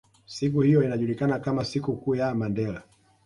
Siku hiyo inajulikana kama siku kuu ya Mandela